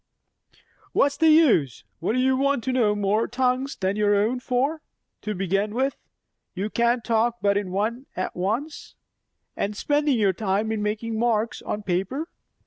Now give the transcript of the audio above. "What's the use? What do you want to know more tongues than your own for, to begin with? you can't talk but in one at once. And spending your time in making marks on paper!